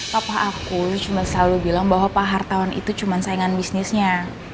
papa aku cuman selalu bilang bahwa pak artawan itu cuman saingan bisnisnya